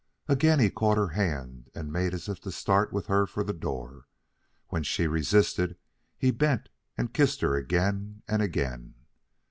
'" Again he caught her hand and made as if to start with her for the door. When she resisted, he bent and kissed her again and again.